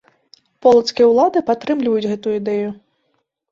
Полацкія ўлады падтрымліваюць гэтую ідэю.